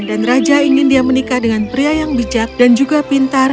dan raja ingin dia menikah dengan pria yang bijak dan juga pintar